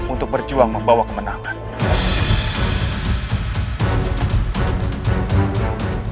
untuk berjuang membawa kemenangan